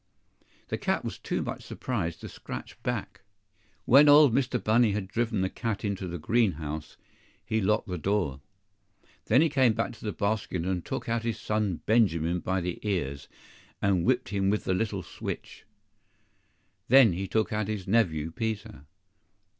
The cat was too much surprised to scratch back. WHEN old Mr. Bunny had driven the cat into the green house, he locked the door. Then he came back to the basket and took out his son Benjamin by the ears, and whipped him with the little switch. Then he took out his nephew Peter.